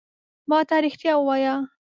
ما ته رېښتیا ووایه !